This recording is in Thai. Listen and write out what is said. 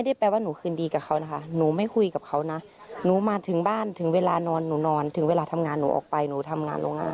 ใช่ถ้าแม่ไม่แย่งมันก็ต้องเสียบแม่ละ